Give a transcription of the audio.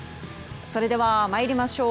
それでは、参りましょう。